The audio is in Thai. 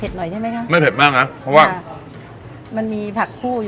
หน่อยใช่ไหมคะไม่เผ็ดมากนะเพราะว่ามันมีผักคู่อยู่